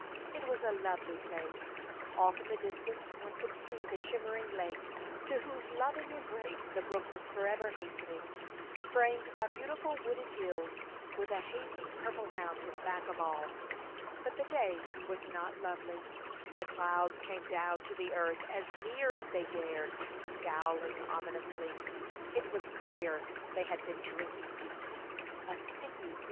It was a lovely place: off in the distance one could see the shimmer ing lake, to whose loving embrace the brook was forever hastening, framed by beautiful wooded hills, with a hazy purple mountain back of all. But the day was not lovely. The clouds came down to the earth as near as they dared, scowling omi nously. It was clear they had been drinking deeply. A sticky, misty Thi.: %:''.v ycY^.K r '"* r^ ■■) r ^ 'J ASTon. Ifth'